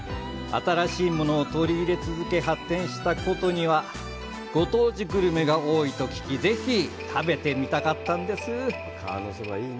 新しいものを取り入れ続け発展した古都には、ご当地グルメが多いと聞きぜひ食べてみたかったんです。